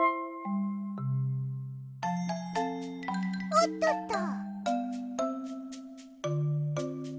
おっとっと。